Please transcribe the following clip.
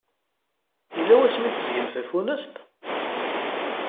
Yella wasmi i teẓẓgem tafunast?